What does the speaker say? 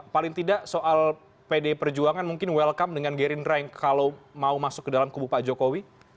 paling tidak soal pdi perjuangan mungkin welcome dengan gerindra yang kalau mau masuk ke dalam kubu pak jokowi